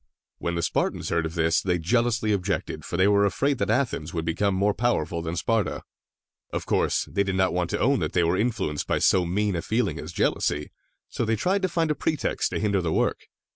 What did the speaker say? When the Spartans heard of this, they jealously objected, for they were afraid that Athens would become more powerful than Sparta. Of course, they did not want to own that they were influenced by so mean a feeling as jealousy, so they tried to find a pretext to hinder the work.